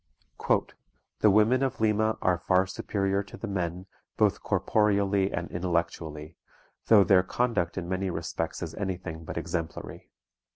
"The women of Lima are far superior to the men, both corporeally and intellectually, though their conduct in many respects is any thing but exemplary.